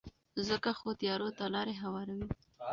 ځکه خو تیارو ته لارې هواروي.